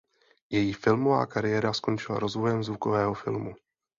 Její filmová kariéra skončila rozvojem zvukového filmu.